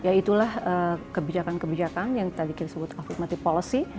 ya itulah kebijakan kebijakan yang tadi kita sebut afficmate policy